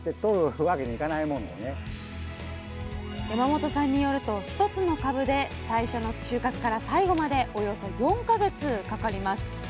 山本さんによると１つの株で最初の収穫から最後までおよそ４か月かかります。